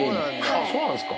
そうなんですか。